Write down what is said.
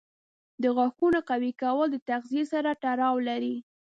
د غاښونو قوي کول د تغذیې سره تړاو لري.